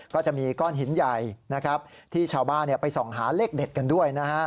ก็จะมีก้อนหินใหญ่นะครับที่ชาวบ้านไปส่องหาเลขเด็ดกันด้วยนะฮะ